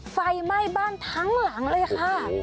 ไฟไหม้บ้านทั้งหลังเลยค่ะ